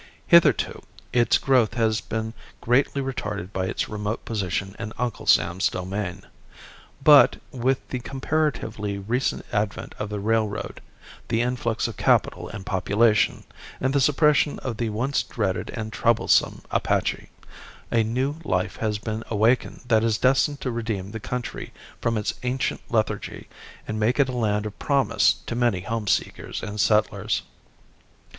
Hitherto its growth has been greatly retarded by its remote position in Uncle Sam's domain; but, with the comparatively recent advent of the railroad, the influx of capital and population, and the suppression of the once dreaded and troublesome Apache, a new life has been awakened that is destined to redeem the country from its ancient lethargy and make it a land of promise to many home seekers and settlers.